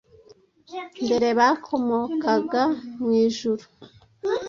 mbere bakomokaga mw'ijuru,